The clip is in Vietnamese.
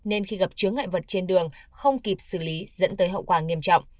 nên khi gặp chứa ngại vật trên đường không kịp xử lý dẫn tới hậu quả nghiêm trọng